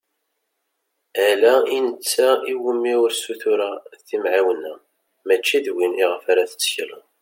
Ala i netta iwumi ur ssutureɣ timεiwna, mačči d win iɣef ara tettekleḍ.